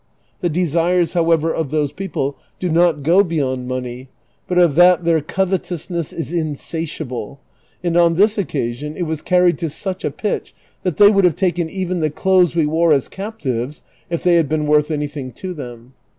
The desires, however, of those people do not go beyond money, but of that their covetousness is insatiable, and on this occasion it was carried to such a pitch that they would have taken even the clothes we wore as captives if tliey had been worth anything to them.